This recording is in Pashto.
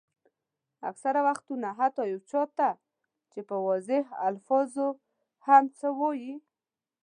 اکثره وختونه حتیٰ یو چا ته چې په واضحو الفاظو هم څه وایئ.